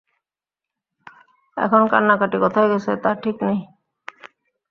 এখন কান্নাকাটি কোথায় গেছে তার ঠিক নেই!